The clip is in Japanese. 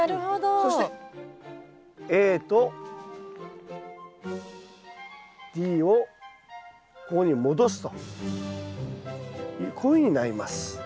そしてＡとＤをここに戻すとこういうふうになります。